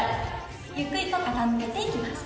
ゆっくりと傾けていきます。